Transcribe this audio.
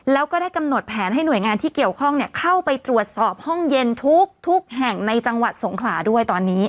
แล้วก็ได้กำหนดแผนให้หน่วยงานที่เกี่ยวข้องเข้าไปตรวจสอบห้องเย็นทุกแห่งในจังหวัดสงขลาด้วยตอนนี้